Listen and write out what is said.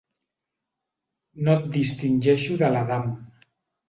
No et distingeixo de l'Adam.